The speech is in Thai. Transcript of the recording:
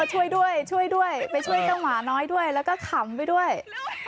ช่วยด้วยช่วยด้วยไปช่วยวางหวาน้อยด้วยแล้วก็ดีกว่าไม่เรียบ